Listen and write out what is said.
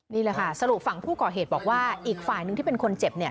นี่แหละค่ะสรุปฝั่งผู้ก่อเหตุบอกว่าอีกฝ่ายนึงที่เป็นคนเจ็บเนี่ย